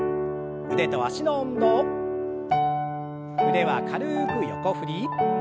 腕は軽く横振り。